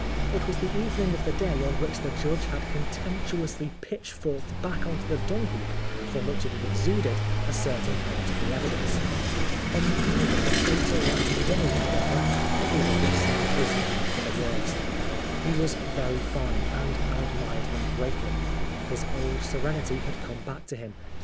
It was the evening of the day on which the judge had contemptuously pitchforked back on to the dungheap, from which it had exuded, a certain part of the Evidence. On the eve of the fatal last day, however, everybody seemed resigned for the worst. He was very fine, and I admired him greatly. His old serenity had come back to him.